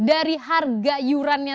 dari harga iurannya